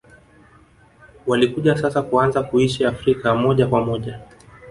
Walikuja sasa kuanza kuishi Afrika moja kwa moja